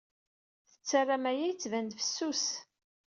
Tettarram aya yettban-d fessus.